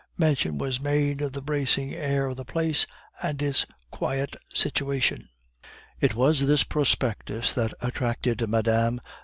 Mention was made of the bracing air of the place and its quiet situation. It was this prospectus that attracted Mme.